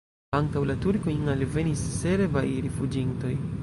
Antaŭ la turkojn alvenis serbaj rifuĝintoj.